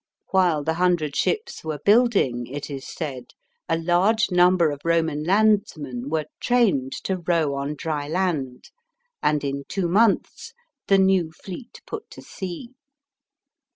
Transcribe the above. While the hundred ships were building, it is said, a large number of Roman landsmen were trained to row on dry land, and in two months the new fleet put to sea.